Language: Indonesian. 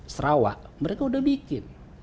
sarawak mereka udah bikin